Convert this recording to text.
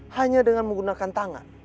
hanya dengan menggunakan tangan